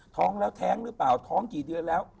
ท้องแล้วแท้งหรือเปล่าท้องกี่เดือนแล้ว